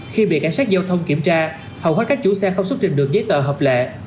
khi bị cảnh sát giao thông kiểm tra hầu hết các chủ xe không xuất trình được giấy tờ hợp lệ